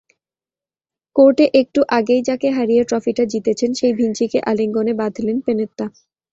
কোর্টে একটু আগেই যাঁকে হারিয়ে ট্রফিটা জিতেছেন, সেই ভিঞ্চিকে আলিঙ্গনে বাঁধলেন পেনেত্তা।